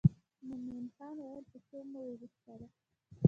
مومن خان وویل په څو مو وغوښتله.